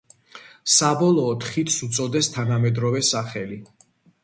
საბოლოოდ ხიდს უწოდეს თანამედროვე სახელი.